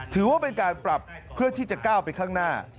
ถือว่าเป็นการปรับเพื่อที่จะก้าวไปข้างหน้า